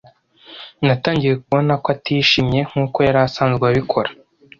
Natangiye kubona ko atishimye nkuko yari asanzwe abikora.